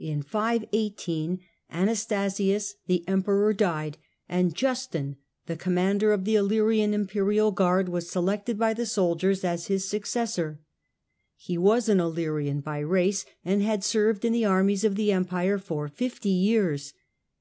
In 518 Anastasius the Emperor died, and Justin, the commander of the Illyrian Imperial guard, was selected by the soldiers as his successor. He was an Illyrian by race, and had served in the armies of the Empire for fifty years.